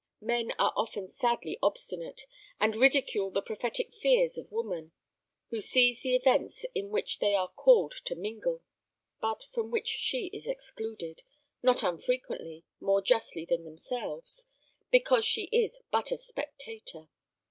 Men are often sadly obstinate, and ridicule the prophetic fears of woman, who sees the events in which they are called to mingle, but from which she is excluded, not unfrequently more justly than themselves, because she is but a spectator.